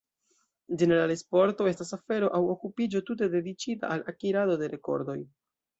Ĝenerale sporto estas afero aŭ okupiĝo tute dediĉita al akirado de rekordoj.